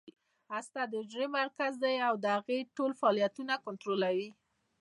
هسته د حجرې مرکز دی او د هغې ټول فعالیتونه کنټرولوي